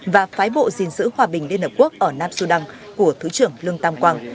và phái bộ dình giữ hòa bình liên hợp quốc ở nam sudan của thứ trưởng lương tam quang